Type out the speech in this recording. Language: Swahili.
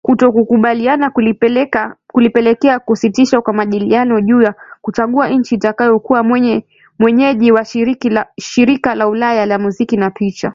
Kutokukubaliana kulipelekea kusitishwa kwa majadiliano juu ya kuchagua nchi itakayokuwa mwenyeji wa Shirika la Ulaya ya Muziki na Picha